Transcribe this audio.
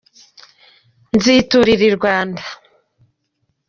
Nziturira i Rwanda